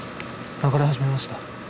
流れ始めました。